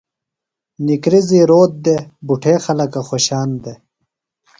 نکریزی روت دےۡ۔ بُٹھےخلکہ خوۡشان دےۡ۔